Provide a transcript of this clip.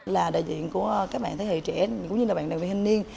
là đại diện của các bạn thế hệ trẻ cũng như là bạn đoàn viên thanh niên